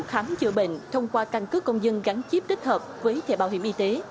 khám chữa bệnh thông qua căn cứ công dân gắn chip tích hợp với thẻ bảo hiểm y tế